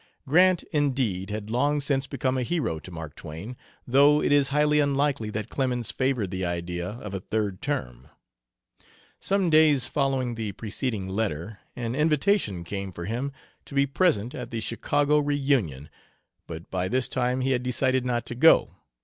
Grant, indeed, had long since become a hero to Mark Twain, though it is highly unlikely that Clemens favored the idea of a third term. Some days following the preceding letter an invitation came for him to be present at the Chicago reunion; but by this time he had decided not to go.